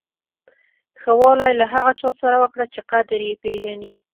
ښه والی له هغه چا سره وکړه چې قدر یې پیژني.